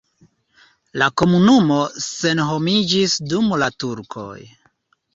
La komunumo senhomiĝis dum la turkoj.